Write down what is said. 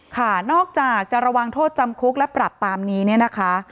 ค่ะนอกจากจะระวังโทษจำคุกและปรับตามนี้เนี่ยนะคะ